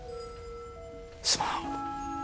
すまん。